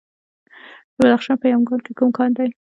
د بدخشان په یمګان کې کوم کان دی؟